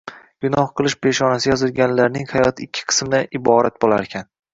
Gunoh qilish peshonasiga yozilganlarning hayoti ikki qismdan iborat bo‘larkan